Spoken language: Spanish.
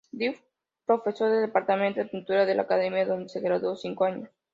Did profesor del Departamento de pintura de la Academia, donde se graduó cinco años.